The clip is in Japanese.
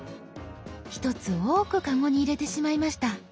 １つ多くカゴに入れてしまいました。